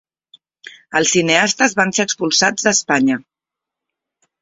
Els cineastes van ser expulsats d'Espanya.